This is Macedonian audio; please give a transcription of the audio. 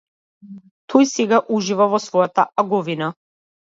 Тој сега ужива во својата аговина.